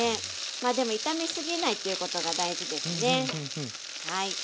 まあでも炒めすぎないということが大事ですねはい。